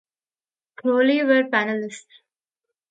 Crowley were panelists.